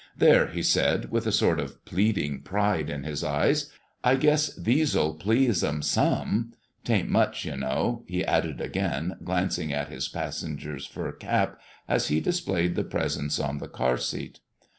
"There," he said, with a sort of pleading pride in his eyes, "I guess these'll please 'em some. 'Taint much, you know," he added again, glancing at his passenger's fur cap, as he displayed the presents on the car seat.